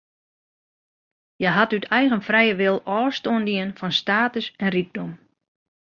Hja hat út eigen frije wil ôfstân dien fan status en rykdom.